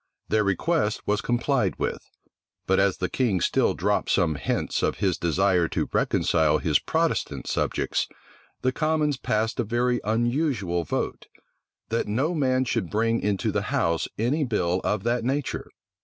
Their request was complied with; but as the king still dropped some hints of his desire to reconcile his Protestant subjects, the commons passed a very unusual vote, that no man should bring into the house any bill of that nature.